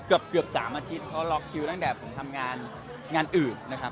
เกือบ๓อาทิตย์เพราะล็อกคิวตั้งแต่ผมทำงานงานอื่นนะครับ